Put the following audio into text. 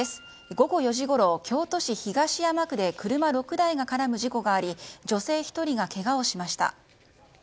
午後４時ごろ、京都市東山区で車６台が絡む事故があり女性１人がけがをしました。